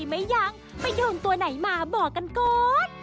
มั้ยยังไปยืมตัวไหนมาบอกกันก่อน